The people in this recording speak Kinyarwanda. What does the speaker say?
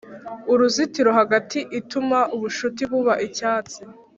uruzitiro hagati ituma ubucuti buba icyatsi